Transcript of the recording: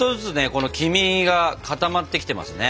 この黄身が固まってきてますね。